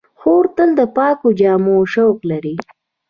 خور تل د پاکو جامو شوق لري.